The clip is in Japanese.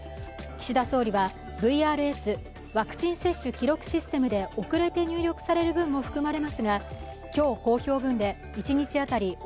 岸田総理はＶＲＳ＝ワクチン接種記録システムで遅れて入力される分も含まれますが今日公表分で一日当たり